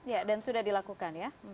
ya dan sudah dilakukan ya